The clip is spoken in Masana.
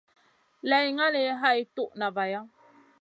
Lay ngali hay toud na vaya.